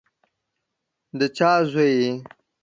د چا زوی یې؟